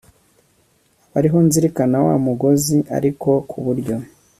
aba ariho nzirikira wa mugozi ariko kuburyo